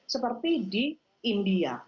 seperti di india